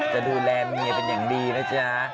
จะดูแลเมียเป็นอย่างดีนะจ๊ะ